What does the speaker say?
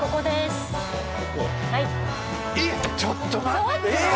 ちょっと待ってよ！